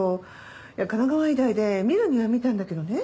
神奈川医大で見るには見たんだけどね。